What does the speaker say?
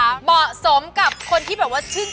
เหมาะสมกับคนที่แบบว่าชื่นชอบ